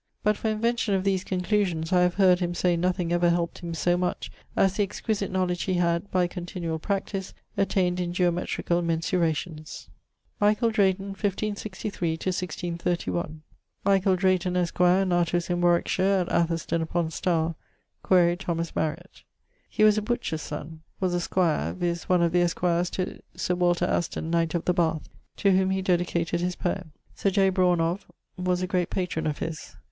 But for invention of these conclusions I have heard him say nothing ever helped him so much as the exquisite knowledge he had, by continuall practise, attained in geometricall mensurations.' =Michael Drayton= (1563 1631). Michael Drayton, esq., natus in Warwickshire at Atherston upon Stower (quaere Thomas Mariett). He was a butcher's sonne. Was a squire; viz. one of the esquires to Sir Walter Aston, Knight of the Bath, to whom he dedicated his Poeme. Sir J. Brawne of ... was a great patron of his.